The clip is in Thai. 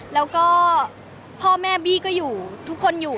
แล้วก็พ่อแม่บี้ก็อยู่ทุกคนอยู่